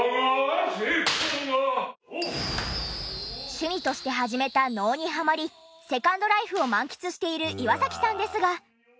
趣味として始めた能にハマりセカンドライフを満喫している岩崎さんですが。